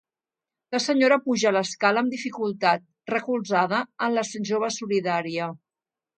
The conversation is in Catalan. La senyora puja les escales amb dificultat, recolzada en la jove solidària.